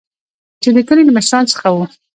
چې د کلي له مشران څخه وو.